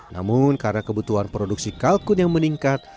namun karena kebutuhan produksi kalkun yang meningkat